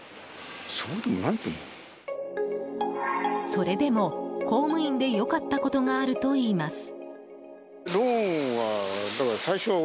それでも公務員で良かったことがあるといいます。